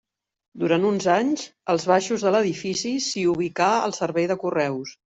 Durant uns anys, als baixos de l'edifici s'hi ubicà el servei de correus.